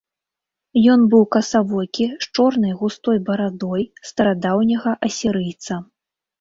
Ён быў касавокі, з чорнай густой барадой старадаўняга асірыйца.